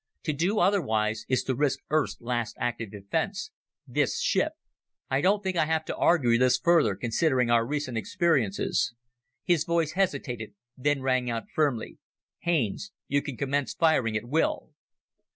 To do otherwise is to risk Earth's last active defense this ship. "I think I don't have to argue this further, considering our recent experiences." His voice hesitated, then rang out firmly, "Haines, you can commence firing at will!"